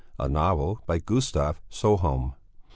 A novel by Gustav Sjöholm.